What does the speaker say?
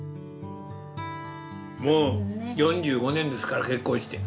もう４５年ですから結婚して。